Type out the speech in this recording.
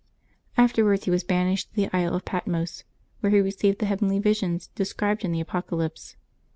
Afterwards he was banished to the isle of Patmos, where he received the heavenly visions described in the Apocalypse.